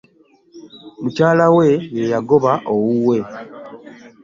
Mukayala we ye yangoba ewuwe.